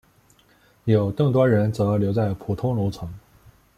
有更多人则留在普通楼层。